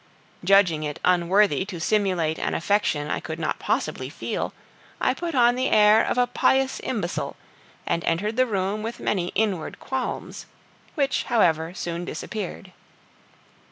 Judging it unworthy to simulate an affection I could not possibly feel, I put on the air of a pious imbecile, and entered the room with many inward qualms, which however soon disappeared.